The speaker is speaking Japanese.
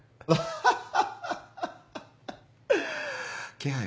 ハハハ。